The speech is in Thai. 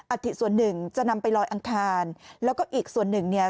อาทิตส่วนหนึ่งจะนำไปลอยอังคารแล้วก็อีกส่วนหนึ่งเนี่ย